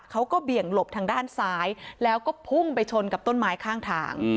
เบี่ยงหลบทางด้านซ้ายแล้วก็พุ่งไปชนกับต้นไม้ข้างทาง